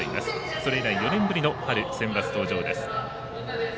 それ以来、４年ぶりの春センバツ登場です。